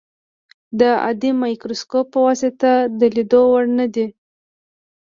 د عادي مایکروسکوپ په واسطه د لیدلو وړ نه دي.